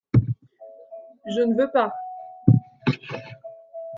Je ne veux pas !…